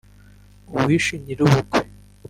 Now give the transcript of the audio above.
uwishe nyirabukwe